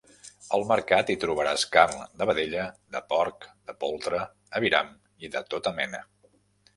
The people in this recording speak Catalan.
Al mercat hi trobaràs carn de vedella, de porc, de poltre, aviram i de tota mena.